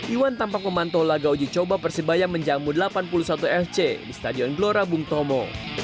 iwan tampak memantau laga uji coba persebaya menjamu delapan puluh satu fc di stadion gelora bung tomo